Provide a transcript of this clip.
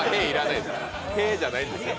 へぇじゃないんですよ。